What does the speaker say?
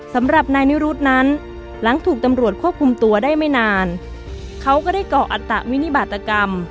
สำหรับนายนิรุธนั้นหลังถูกตำรวจควบคุมตัวได้ไม่นานเขาก็ได้เกาะอัตตะวินิบาตกรรม